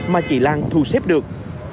mà chị lan thu xếp được